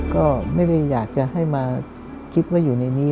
ก็ไม่ได้อยากจะให้มาคิดว่าอยู่ในนี้